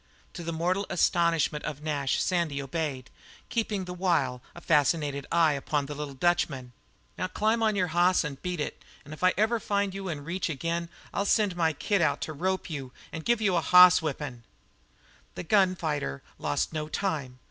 To the mortal astonishment of Nash, Sandy obeyed, keeping the while a fascinated eye upon the little Dutchman. "Now climb your hoss and beat it, and if I ever find you in reach again, I'll send my kid out to rope you and give you a hoss whippin'." The gun fighter lost no time.